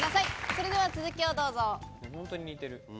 それでは続きをどうぞ。